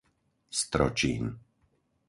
Stročín